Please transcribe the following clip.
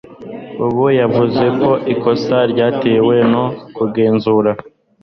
Bobo yavuze ko ikosa ryatewe no kugenzura